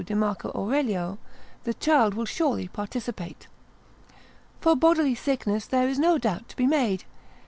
de Marco Aurelio: the child will surely participate. For bodily sickness there is no doubt to be made.